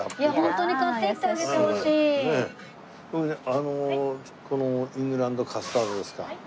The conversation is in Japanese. あのこのイングランドカスタードですか。